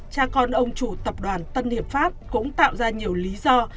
cha con ông chủ tập đoàn tân hiệp pháp cũng tạo ra nhiều lý do